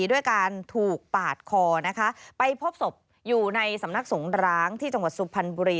ด้วยการถูกปาดคอนะคะไปพบศพอยู่ในสำนักสงร้างที่จังหวัดสุพรรณบุรี